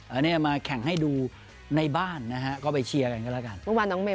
อันนี้มาแข่งให้ดูในบ้านนะฮะก็ไปเชียร์กันก็แล้วกันเมื่อวานน้องเมย